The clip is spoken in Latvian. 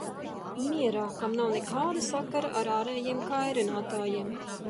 Mierā, kam nav nekāda sakara ar ārējiem kairinātājiem.